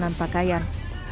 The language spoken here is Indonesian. ini adalah penyimpanan pakaian